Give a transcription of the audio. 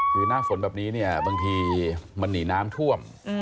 คือหน้าฝนแบบนี้เนี่ยบางทีมันหนีน้ำท่วม